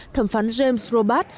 thẩm phán james robat